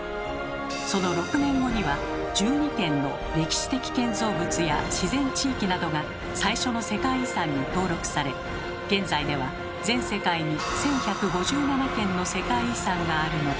その６年後には１２件の歴史的建造物や自然地域などが最初の世界遺産に登録され現在では全世界に１，１５７件の世界遺産があるのです。